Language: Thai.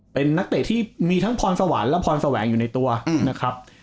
เป็นนักเตะที่มีทั้งพรสวรรค์และพรแสวงอยู่ในตัวนะครับ